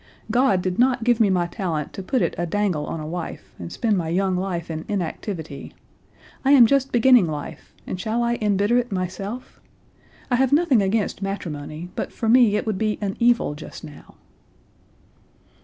God did not give me my talent to put it a dangle on a wife, and spend my young life in inactivity. I am just beginning life, and shall I embitter it myself? I have nothing against matrimony, but for me it would be an evil just now."